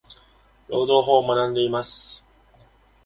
労働法を学んでいます。。